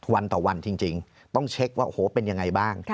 วันต่อวันจริงต้องเช็คว่าโอ้โหเป็นยังไงบ้าง